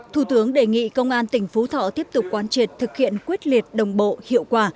thủ tướng đề nghị công an tỉnh phú thọ tiếp tục quan triệt thực hiện quyết liệt đồng bộ hiệu quả